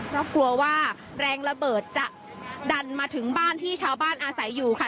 เพราะกลัวว่าแรงระเบิดจะดันมาถึงบ้านที่ชาวบ้านอาศัยอยู่ค่ะ